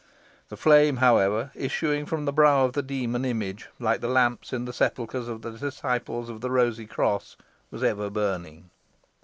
The flame, however, issuing from the brow of the demon image, like the lamps in the sepulchres of the disciples of the Rosy Cross, was ever burning.